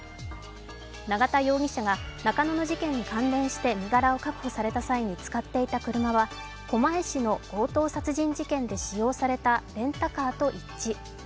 永田容疑者が中野の事件に関連して身柄を確保された際に使っていた車は、狛江市の強盗殺人事件で使用されたレンタカーと一致。